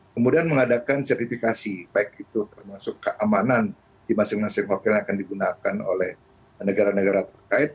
kemudian mengadakan sertifikasi baik itu termasuk keamanan di masing masing hotel yang akan digunakan oleh negara negara terkait